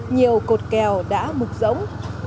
nhiều cột kèo đã mục rỗng